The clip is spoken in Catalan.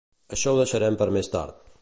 Això ho deixem per més tard.